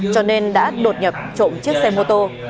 cho nên đã đột nhập trộm chiếc xe mô tô